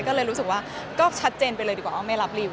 ก็เลยรู้สึกว่าก็ชัดเจนไปเลยดีกว่าอ้อมไม่รับริว